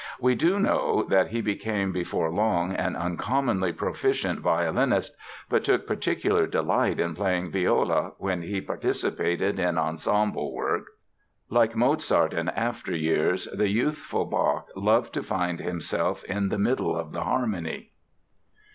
We do know that he became before long an uncommonly proficient violinist but took particular delight in playing viola when he participated in ensemble work. Like Mozart in after years, the youthful Bach loved to find himself "in the middle of the harmony."